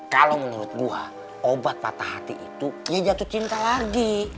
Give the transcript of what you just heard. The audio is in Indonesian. kalau menurut gua obat patah hati itu dia jatuh cinta lagi